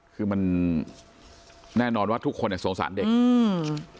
คือมันแน่นอนว่าทุกคนเนี้ยสงสารเด็กอืม